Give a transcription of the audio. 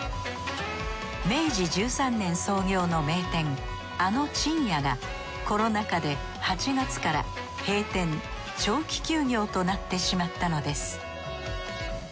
明治１３年創業の名店あのちんやがコロナ禍で８月から閉店・長期休業となってしまったのです。